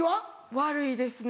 悪いですね。